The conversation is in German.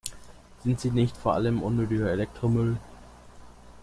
Sind sie nicht vor allem unnötiger Elektromüll?